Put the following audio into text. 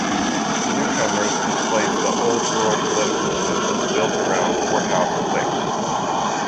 The newcomers displaced the old rural political system built around courthouse cliques.